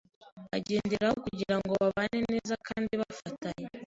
bagenderaho kugira ngo babane neza kandi bafatanye